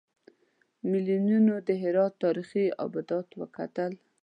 میلمنو د هرات تاریخي ابدات وکتل.